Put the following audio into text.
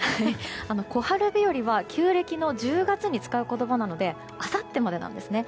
小春日和は旧暦の１０月に使う言葉なのであさってまでなんですね。